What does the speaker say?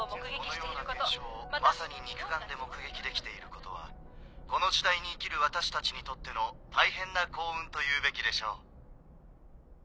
このような現象をまさに肉眼で目撃できていることはこの時代に生きる私たちにとっての大変な幸運と言うべきでしょう。